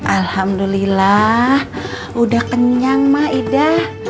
alhamdulillah udah kenyang mah ida